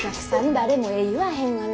誰もええ言わへんがな。